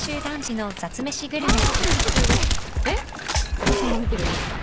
古賀さんも見てるんですか？